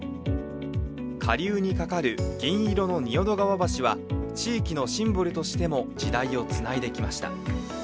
下流にかかる銀色の仁淀川橋は地域のシンボルとしても時代をつないできました。